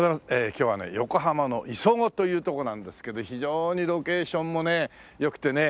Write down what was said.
今日はね横浜の磯子という所なんですけど非常にロケーションもね良くてね